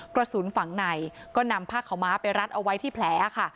กระสุนฝั่งในก็นำผ้าขาวม้าไปรัดเอาไว้ที่แผลค่ะ